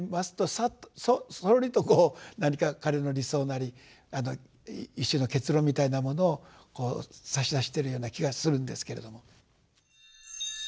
さっとそろりとこう何か彼の理想なり一種の結論みたいなものを差し出しているような気がするんですけれども。